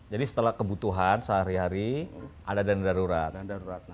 jadi setelah kebutuhan sehari hari ada dana darurat